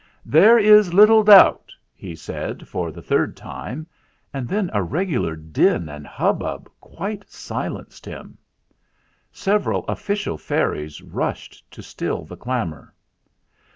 "There is little doubt " he said for the third time; and then a regular din and hub bub quite silenced him. Several official fairies rushed to still the clamour.